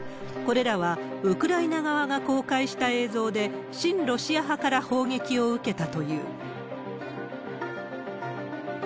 これらは、ウクライナ側が公開した映像で、親ロシア派から砲撃を受けたという。